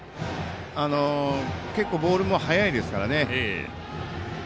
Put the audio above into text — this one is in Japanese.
結構、ボールも速いですからね。